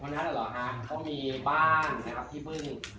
วันนั้นหรอครับก็มีบ้านนะครับที่เพิ่ง